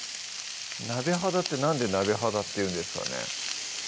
鍋肌ってなんで鍋肌っていうんですかね